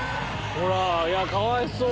ほらあいやかわいそう。